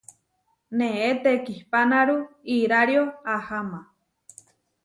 Neé tekihpánaru irário aháma.